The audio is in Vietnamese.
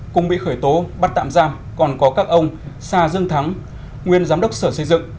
cùng bị khởi tố bắt tạm giam còn có các ông sa dương thắng nguyên giám đốc sở xây dựng